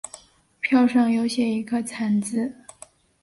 票上有写一个惨字